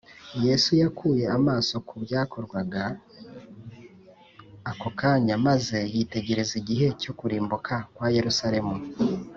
” yesu yakuye amaso ku byakorwaga ako kanya, maze yitegereza igihe cyo kurimbuka kwa yerusalemu